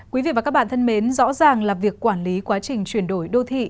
quý vị và các bạn thân mến rõ ràng là việc quản lý quá trình chuyển đổi đô thị